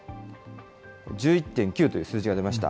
１１．９という数字が出ました。